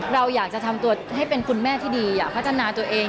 เราอยากจะทำตัวให้เป็นคุณแม่ที่ดีอยากพัฒนาตัวเอง